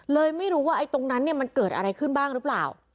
เลยไม่รู้ว่าไอ้ตรงนั้นเนี่ยมันเกิดอะไรขึ้นบ้างหรือเปล่า